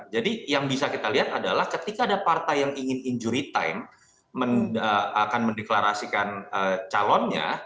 jadi yang bisa kita lihat adalah ketika ada partai yang ingin injuri time akan mendeklarasikan calonnya